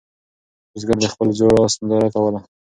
بزګر د خپل زوړ آس ننداره کوله.